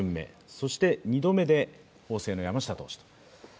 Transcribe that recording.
そして２度目で法政の山下投手と。